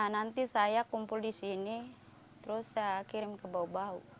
nanti saya kumpul di sini terus saya kirim ke bau bau